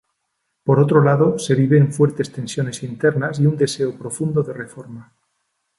Por otro lado, se viven fuertes tensiones internas y un deseo profundo de reforma.